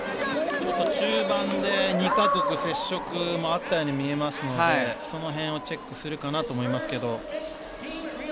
ちょっと中盤で２か国接触もあったように見えますのでその辺をチェックするかなと思いますが。